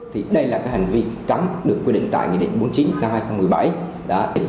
thì đây là cái hành vi cấm được quy định tại nghị định bốn mươi chín năm hai nghìn một mươi bảy